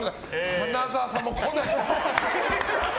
花澤さんも来ない！